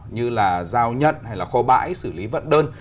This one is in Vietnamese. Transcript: như là giao nhận hay là kho bãi xử lý vận đơn